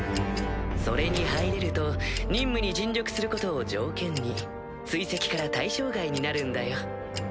それに入れると任務に尽力することを条件に追跡から対象外になるんだよ。